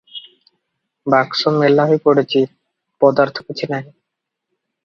ବାକ୍ସ ମେଲା ହୋଇ ପଡ଼ିଛି - ପଦାର୍ଥ କିଛି ନାହିଁ ।